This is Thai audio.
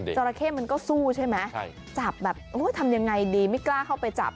จราเข้มันก็สู้ใช่ไหมจับแบบโอ้ยทำยังไงดีไม่กล้าเข้าไปจับ